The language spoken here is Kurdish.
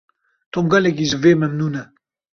Tom gelekî ji vê memnûn e.